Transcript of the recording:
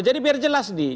jadi biar jelas nih